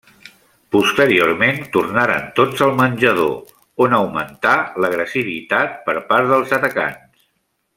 Posteriorment, tornaren tots al menjador, on augmentà l'agressivitat per part dels atacants.